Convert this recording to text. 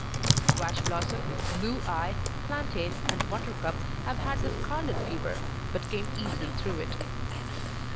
Squash Blossom, Blue Eye, Plantain, and Buttercup have had the scarlet fever, but came easily through it.